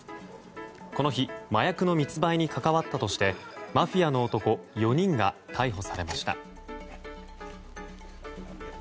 この日麻薬の密売に関わったとしてマフィアの男４人が逮捕されました。